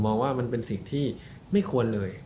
ผมมองว่านี่มันเป็นสิ่งที่ไม่ควรเลยนะครับ